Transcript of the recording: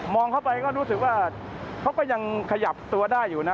เข้าไปก็รู้สึกว่าเขาก็ยังขยับตัวได้อยู่นะ